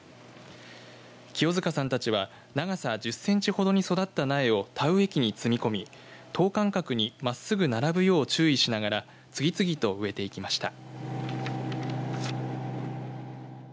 清塚さんたちは長さ１０センチほどに育った苗を田植え機に積み込み等間隔にまっすぐ並ぶよう注意しながら次々と植えていきました。